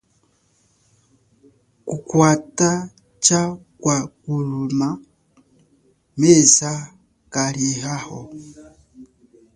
Kukwata cha kwa kululama meza kaliehacho?